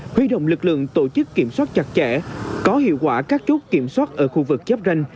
huy động lực lượng tổ chức kiểm soát chặt chẽ có hiệu quả các chốt kiểm soát ở khu vực chép ranh